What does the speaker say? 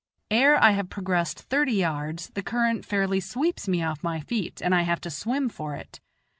Ere I have progressed thirty yards, the current fairly sweeps me off my feet and I have to swim for it.